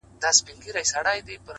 لوړ هدفونه ژمنتیا غواړي.!